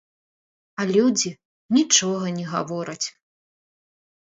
А людзі нічога не гавораць.